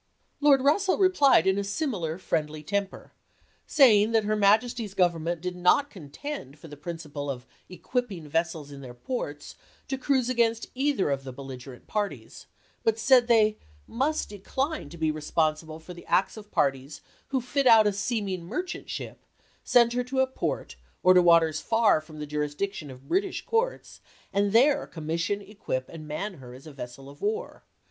Adams. 256 ABRAHAM LINCOLN CHAP.x. Lord Russell replied in a similar friendly temper, saying that her Majesty's Government did not contend for the principle of equipping vessels in theii' ports " to cruise against either of the belligerent parties," but said they "must decline to be responsible for the acts of parties who fit out a seeming merchant ship, send her to a port, or to waters far from the jmisdiction of British courts, and there commission, equip, and man her as a vessel of war.